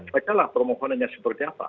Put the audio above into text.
mereka lah permohonannya seperti apa